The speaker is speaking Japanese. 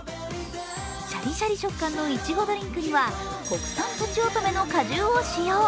シャリシャリ食感のいちごドリンクには、国産とちおとめの果汁を使用。